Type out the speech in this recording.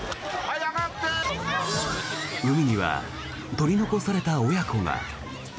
海には取り残された親子が。